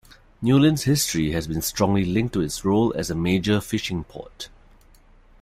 Newlyn's history has been strongly linked to its role as a major fishing port.